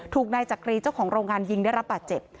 ถูกนายจักรีเจ้าของโรงงานยิงได้รับบาดเจ็บ